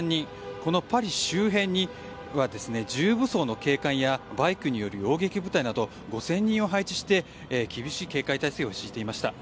このパリ周辺には重武装の警官やバイクによる部隊など５０００人を配置して厳しい警戒態勢を敷いていました。